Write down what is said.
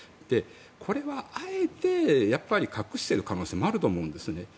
これは、あえて隠している可能性もあると思うんですね。